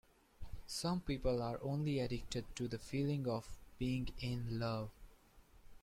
Some people are only addicted to the feeling of being in love.